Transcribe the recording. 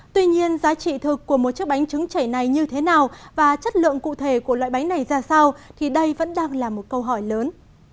tuy nhiên giá trị thực của một chiếc bánh trứng chảy này như thế nào và chất lượng cụ thể của loại bánh này ra sao thì đây vẫn đang là một câu hỏi lớn